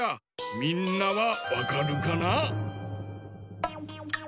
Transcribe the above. みんなはわかるかな？